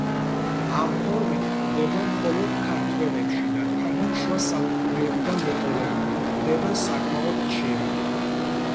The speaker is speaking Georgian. ამ ფორმით გვხვდება მხოლოდ ქართველებში და თანაც, შუა საუკუნეებიდან მოყოლებული, გვხვდება საკმაოდ ხშირად.